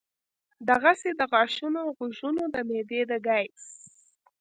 دغسې د غاښونو ، غوږونو ، د معدې د ګېس ،